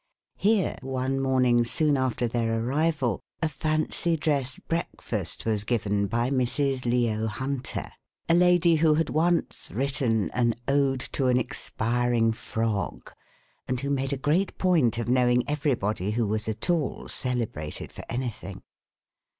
Here, one morning soon after their arrival, a fancy dress breakfast was given by Mrs. Leo Hunter, a lady who had once written an Ode to an Expiring Frog and who made a great point of knowing everybody who was at all celebrated for anything.